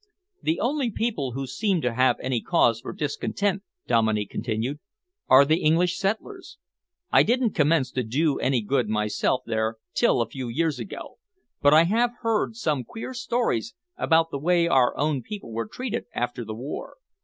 "The only people who seem to have any cause for discontent," Dominey continued, "are the English settlers. I didn't commence to do any good myself there till a few years ago, but I have heard some queer stories about the way our own people were treated after the war."